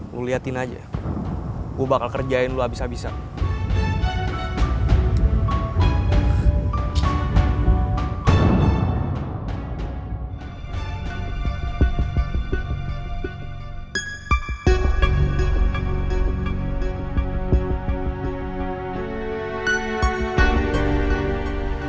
lo liatin aja gue bakal kerjain lo abis abisan